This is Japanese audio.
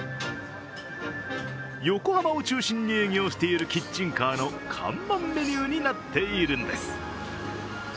横浜を中心に営業しているキッチンカーの看板メニューになっているんです。